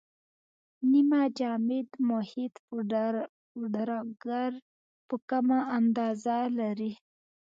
نیمه جامد محیط پوډراګر په کمه اندازه لري.